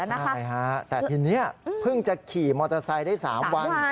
ใช่ฮะแต่ทีนี้เพิ่งจะขี่มอเตอร์ไซค์ได้๓วัน